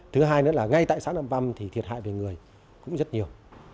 thứ hai là ngay tại xã nậm păm thì thiệt hại về người cũng rất nhiều